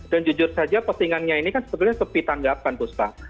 dan jujur saja postingannya ini kan sebetulnya sepi tanggapan puspa